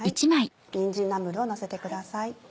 にんじんナムルをのせてください。